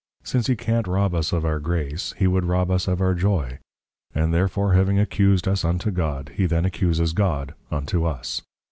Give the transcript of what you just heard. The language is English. _ Since he can't Rob us of our Grace, he would Rob us of our Joy; and therefore having Accused us unto God, he then Accuses God unto us.